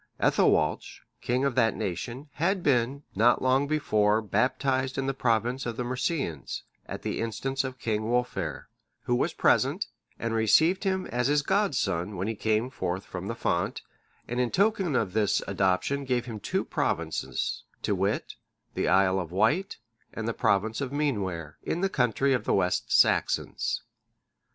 Ethelwalch,(616) king of that nation, had been, not long before, baptized in the province of the Mercians, at the instance of King Wulfhere,(617) who was present, and received him as his godson when he came forth from the font, and in token of this adoption gave him two provinces, to wit, the Isle of Wight, and the province of the Meanware, in the country of the West Saxons.